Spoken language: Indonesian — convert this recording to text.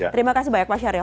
terima kasih banyak pak syahril